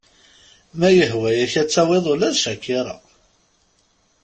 Ma yehwa-yak ad tawiḍ ula d CHAKIRA.